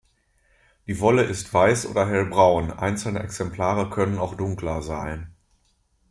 Die Wolle ist weiß oder hellbraun, einzelne Exemplare können auch dunkler sein.